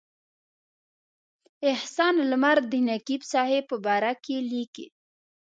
احسان لمر د نقیب صاحب په باره کې لیکي.